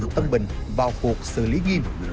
tân bình vào cuộc xử lý nghiêm